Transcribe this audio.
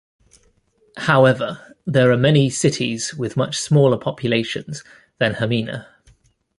However, there are many cities with much smaller populations than Hamina.